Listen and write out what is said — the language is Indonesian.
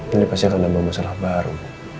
ini pasti akan ada masalah baru